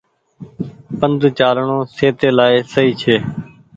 پند چآلڻو سهتي لآئي سئي ڇي۔